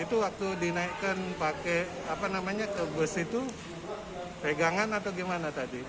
itu waktu dinaikkan pakai apa namanya ke bus itu pegangan atau gimana tadi